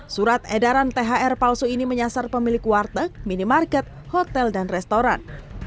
surat edaran thr palsu ini menyasar pemilik warteg minimarket hotel dan restoran